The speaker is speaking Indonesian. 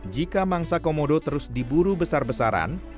jika mangsa komodo terus diburu besar besaran